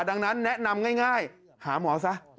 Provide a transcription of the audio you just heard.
ดังนั้นแนะนำง่ายหาหมอซะ